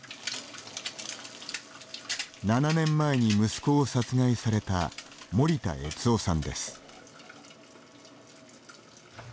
７年前に息子を殺害された森田悦雄さんです。